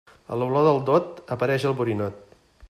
A l'olor del dot, apareix el borinot.